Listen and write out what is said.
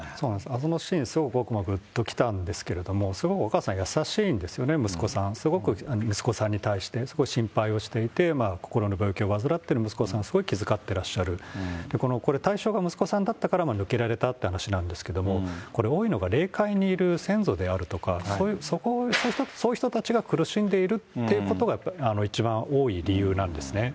あのシーン、僕もぐっときたんですけれども、すごいお母さん優しいんですよね、息子さん、すごく、息子さんに対してすごい心配をしていて、心の病気を患っている息子さんをすごい気遣ってらっしゃる、これ、対象が息子さんだったから抜けられたって話なんですけれども、これ、多いのが霊界にいる先祖であるとか、そういう人たちが苦しんでいるっていうことが一番多い理由なんですね。